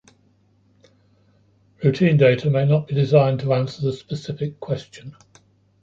Routine data may not be designed to answer the specific question.